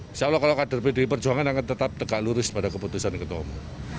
insya allah kalau kader dpd perjuangan akan tetap dekat lurus pada keputusan ketemu